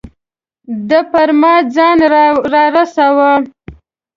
ده پر ما ځان را رساوه.